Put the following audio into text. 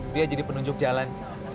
dia jadi penunjuk jalan